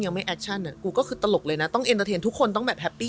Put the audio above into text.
ยังไม่แอคชั่นอ่ะกูก็คือตลกเลยนะต้องทุกคนต้องแบบแฮปปี้